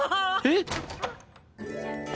えっ？